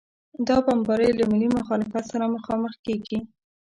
دا بمبارۍ له ملي مخالفت سره مخامخ کېږي.